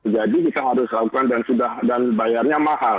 jadi kita harus lakukan dan bayarnya mahal